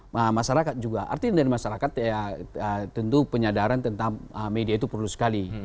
nah masyarakat juga artinya dari masyarakat ya tentu penyadaran tentang media itu perlu sekali